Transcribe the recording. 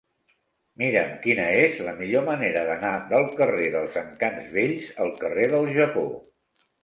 Mira'm quina és la millor manera d'anar del carrer dels Encants Vells al carrer del Japó.